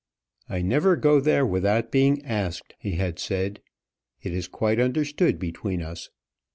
"I never go there without being asked," he had said. "It is quite understood between us."